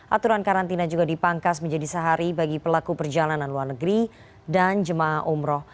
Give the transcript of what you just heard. aturan karantina juga dipangkas menjadi sehari bagi pelaku perjalanan luar negeri dan jemaah umroh